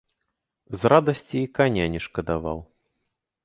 З радасці і каня не шкадаваў.